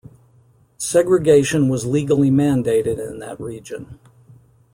Segregation was legally mandated in that region.